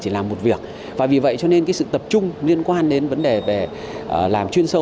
chỉ là một việc và vì vậy cho nên cái sự tập trung liên quan đến vấn đề về làm chuyên sâu